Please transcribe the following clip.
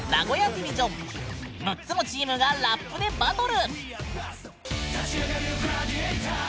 ６つのチームがラップでバトル！